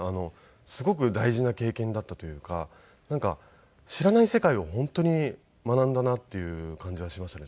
すごく大事な経験だったというかなんか知らない世界を本当に学んだなっていう感じがしましたね